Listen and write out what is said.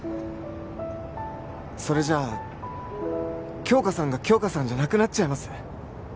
それじゃ杏花さんが杏花さんじゃなくなっちゃいます